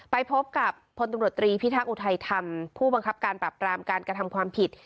ไปพบกับพลตำรวจตรีพิทักษ์อุทัยธรรมผู้บังคับการปรับปรามการกระทำความผิด